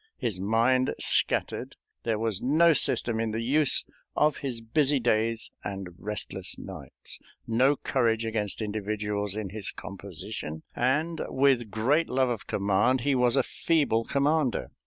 His mind scattered; there was no system in the use of his busy days and restless nights, no courage against individuals in his composition, and, with great love of command, he was a feeble commander.